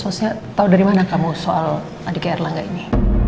maksudnya tau dari mana kamu soal adiknya erlangga ini